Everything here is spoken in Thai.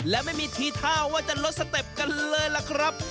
และไม่มีทีท่าว่าจะลดสเต็ปกันเลยล่ะครับ